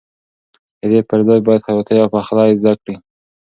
د دې پر ځای باید خیاطي او پخلی زده کړې.